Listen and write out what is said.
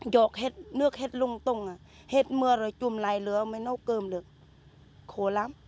giọt hết nước hết lung tung hết mưa rồi chùm lại lửa mới nấu cơm được khổ lắm